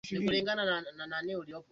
Hakuna maeneo ya kuondoa amana ya bidhaa